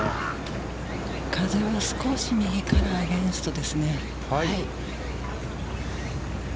風は少し右からアゲインストですね。